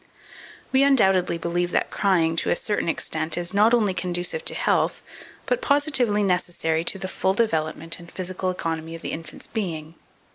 2467. We, undoubtedly, believe that crying, to a certain extent, is not only conducive to health, but positively necessary to the full development and physical economy of the infant's being.